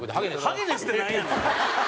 「ハゲデス」ってなんやねん！